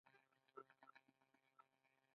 مجاهد د کفر خلاف درېږي.